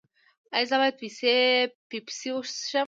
ایا زه باید پیپسي وڅښم؟